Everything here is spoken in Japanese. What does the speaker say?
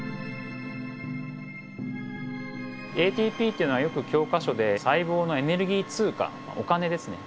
ＡＴＰっていうのはよく教科書で細胞のエネルギー通貨お金ですね。